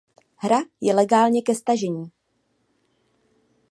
Hra je legálně ke stažení.